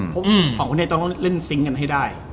เพราะ๒คนแต่อน่าจะเล่นซิงค์กันให้ได้